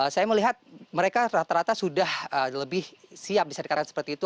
saya melihat mereka rata rata sudah lebih siap bisa dikatakan seperti itu